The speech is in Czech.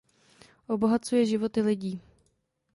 Obohacuje životy lidí.